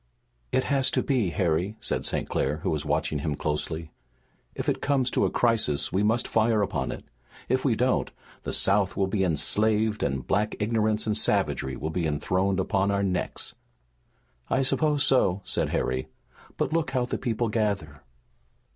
"It has to be, Harry," said St. Clair, who was watching him closely. "If it comes to a crisis we must fire upon it. If we don't, the South will be enslaved and black ignorance and savagery will be enthroned upon our necks." "I suppose so," said Harry. "But look how the people gather!"